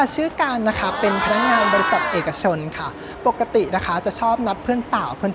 ชื่อการนะคะเป็นพนักงานบริษัทเอกชนค่ะปกตินะคะจะชอบนัดเพื่อนเต่าเพื่อน